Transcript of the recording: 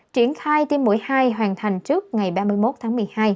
triển khai tiêm mũi hai hoàn thành trước ngày ba mươi một tháng một mươi hai